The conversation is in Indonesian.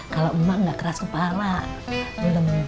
kalau emak nggak keras kepala gue udah muntung